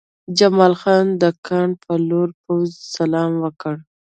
جمال خان د کان په لور پوځي سلام وکړ